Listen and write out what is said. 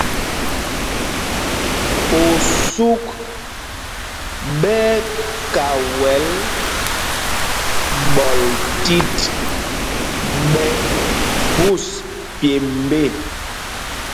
Osûk ɓɛ́ ɛ́ kawɛl ɓɔl tit ɓɛ phūs pyêmb ê.